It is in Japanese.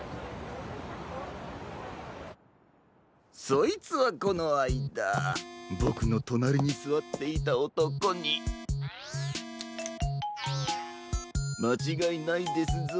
そいつはこのあいだボクのとなりにすわっていたおとこにまちがいないですぞ。